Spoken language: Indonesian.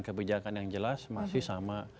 kebijakan yang jelas masih sama